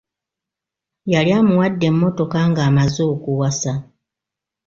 Yali amuwadde emmotoka ng'amaze okuwasa.